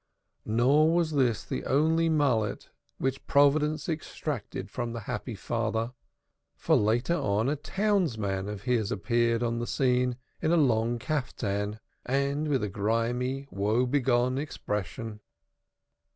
Nor was this the only mulct which Providence exacted from the happy father, for later on a townsman of his appeared on the scene in a long capote, and with a grimy woe begone expression.